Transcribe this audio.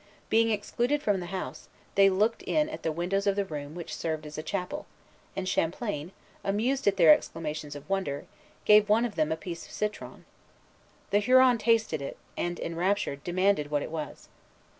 Being excluded from the house, they looked in at the windows of the room which served as a chapel; and Champlain, amused at their exclamations of wonder, gave one of them a piece of citron. The Huron tasted it, and, enraptured, demanded what it was.